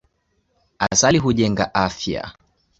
Asali hujenga afya.